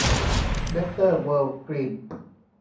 เบตเตอร์ เวิลด์ กรีน